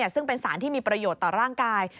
ซึ่งเป็นสารที่มีประโยชน์ต่อร่างกาย